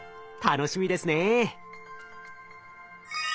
楽しみですね。